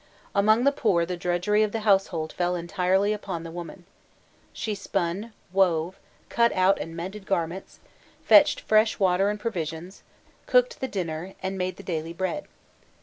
Among the poor the drudgery of the household fell entirely upon the woman. She spun, wove, cut out and mended garments, fetched fresh water and provisions, cooked the dinner, and made the daily bread.